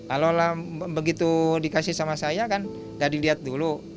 alola begitu dikasih sama saya kan gak dilihat dulu